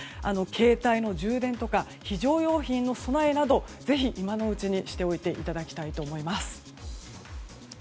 携帯の充電とか非常用品の備えなどぜひ、今のうちにしておいていただきたいと思います。